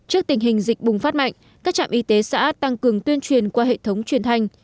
trước tình hình dịch bùng phát mạnh các trạm y tế xã tăng cường tuyên truyền qua hệ thống truyền thanh